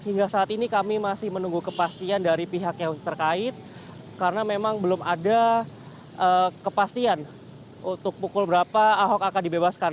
nah terkait dengan jam berapa pastinya ahok akan dibebaskan